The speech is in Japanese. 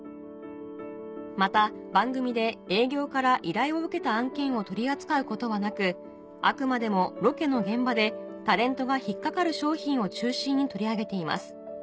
「また番組で営業から依頼を受けた案件を取り扱うことはなくあくまでもロケの現場でタレントが引っかかる商品を中心に取り上げています」